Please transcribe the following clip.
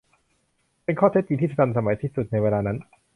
เป็นข้อเท็จจริงที่ทันสมัยที่สุดในเวลานั้น